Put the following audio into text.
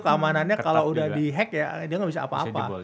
keamanannya kalau sudah dihack ya dia tidak bisa apa apa